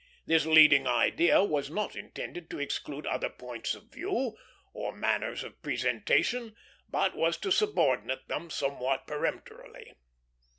This leading idea was not intended to exclude other points of view or manners of presentation, but was to subordinate them somewhat peremptorily.